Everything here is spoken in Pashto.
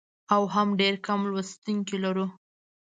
او هم ډېر کم لوستونکي لرو.